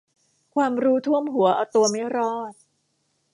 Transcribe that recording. ความรู้ท่วมหัวเอาตัวไม่รอด